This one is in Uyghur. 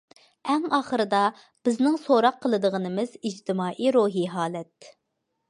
ئەڭ ئاخىرىدا، بىزنىڭ سوراق قىلىدىغىنىمىز ئىجتىمائىي روھىي ھالەت.